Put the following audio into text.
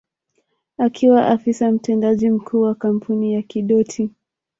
Alikuwa Afisa Mtendaji Mkuu wa kampuni ya Kidoti